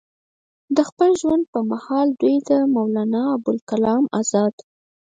د خپل ژوند پۀ محال دوي د مولانا ابوالکلام ازاد